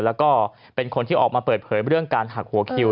แล้วก็เป็นคนที่ออกมาเปิดเผยเรื่องการหักหัวคิว